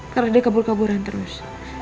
karena dia kabur kaburan terus